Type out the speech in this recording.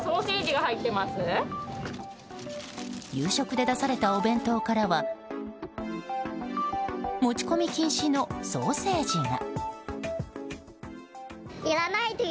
夕食で出されたお弁当からは持ち込み禁止のソーセージが。